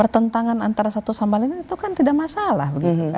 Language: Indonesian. pertentangan antara satu sama lain itu kan tidak masalah